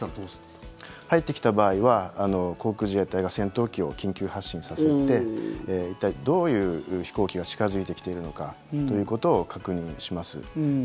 入ってきた場合は航空自衛隊が戦闘機を緊急発進させて一体、どういう飛行機が近付いてきているのかということを確認します。